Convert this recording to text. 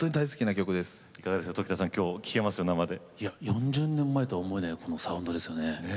４０年前とは思えないサウンドですよね。